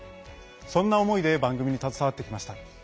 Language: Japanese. そんな思いで番組に携わってきました。